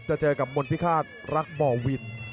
จะเจอกับมนภิคาสรักบอวิน